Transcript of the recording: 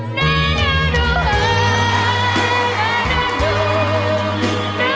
แน่แน่รู้เหรอแน่แน่รู้